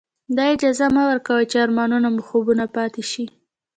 دا اجازه مه ورکوئ چې ارمانونه مو خوبونه پاتې شي.